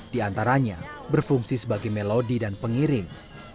di antaranya berfungsi sebagai melodi dan pengiring